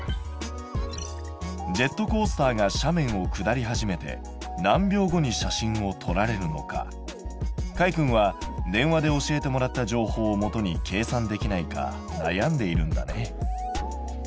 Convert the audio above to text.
ジェットコースターが斜面を下り始めて何秒後に写真を撮られるのかかいくんは電話で教えてもらった情報をもとに計算できないかなやんでいるんだね。